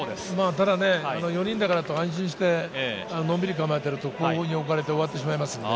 ただ４人だからと安心してのんびり構えてると後方に置かれて終わってしまいます。